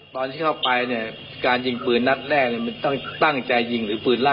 ตอนที่เข้าไปเนี่ยการยิงปืนนัดแรกมันตั้งใจยิงหรือปืนล่า